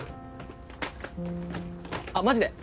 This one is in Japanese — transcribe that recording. あっマジで！